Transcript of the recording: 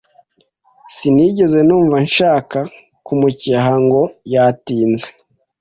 Sinigeze numva nshaka kumucyaha ngo yatinze.